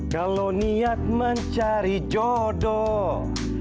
kalau niat mencari jodoh